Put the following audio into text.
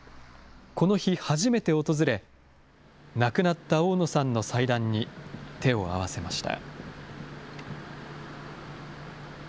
この日初めて訪れ、亡くなった大野さんの祭壇に手を合わせました。